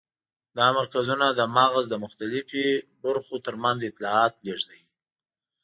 دا مرکزونه د مغز د مختلفو برخو تر منځ اطلاعات لېږدوي.